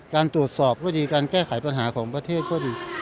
การตรวจสอบก็ดีการแก้ไขปัญหาของประเทศก็ดี